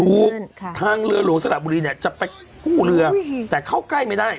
ถูกทางเรือหลวงสระบุรีเนี่ยจะไปกู้เรือแต่เข้าใกล้ไม่ได้